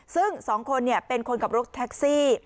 ซึ่ง๒คนเป็นคนขับรถแท็กซี่